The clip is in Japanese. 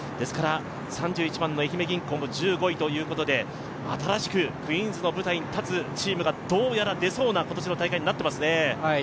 ３１番の愛媛銀行も１５位ということで新しくクイーンズの舞台に立つチームがどうやら出そうな今年の大会になっていますね。